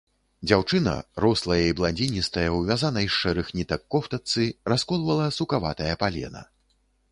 Дзяўчына, рослая і бландзіністая, у вязанай з шэрых нітак кофтачцы, расколвала сукаватае палена.